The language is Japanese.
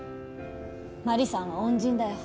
マリさんは恩人だよ。